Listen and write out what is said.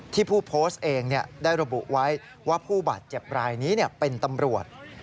ผู้โพสต์เองได้ระบุไว้ว่าผู้บาดเจ็บรายนี้เป็นตำรวจ